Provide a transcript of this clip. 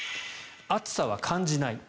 暑さは感じない。